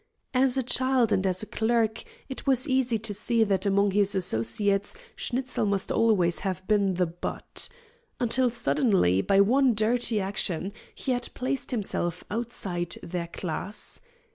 As a child and as a clerk, it was easy to see that among his associates Schnitzel must always have been the butt. Until suddenly, by one dirty action, he had placed himself outside their class.